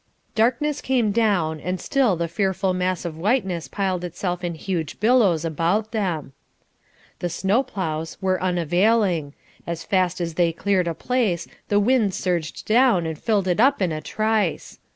Darkness came down and still the fearful mass of whiteness piled itself in huge billows about them. The snow ploughs were unavailing; as fast as they cleared a space the wind surged down and filled it up in a trice.